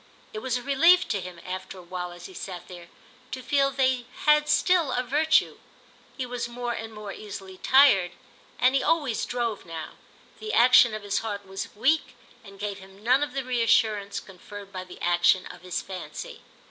It was a relief to him, after a while, as he sat there, to feel they had still a virtue. He was more and more easily tired, and he always drove now; the action of his heart was weak and gave him none of the reassurance conferred by the action of his fancy.